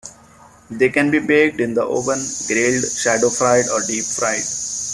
They can be baked in the oven, grilled, shallow fried, or deep-fried.